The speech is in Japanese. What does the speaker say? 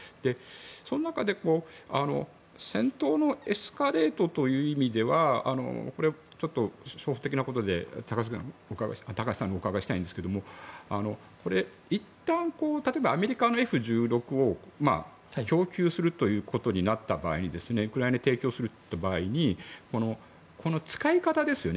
その中で、戦闘のエスカレートという意味ではちょっと高橋さんにお伺いしたいんですけれどもこれ、いったんアメリカのＦ１６を供給するということになった場合にウクライナに提供する場合に使い方ですね。